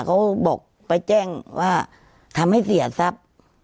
เขาบอกไปแจ้งว่าทำให้เสียทรัพย์